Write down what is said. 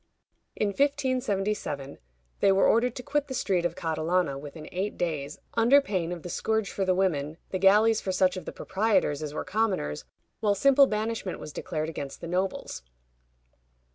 In 1577 they were ordered to quit the street of Catalana within eight days, under pain of the scourge for the women, the galleys for such of the proprietors as were commoners, while simple banishment was declared against the nobles.